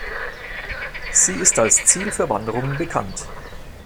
Sie ist als Ziel für Wanderungen bekannt.